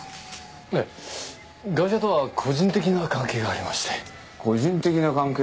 ええガイシャとは個人的な関係がありまして個人的な関係？